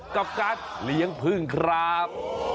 กับการเลี้ยงพึ่งครับ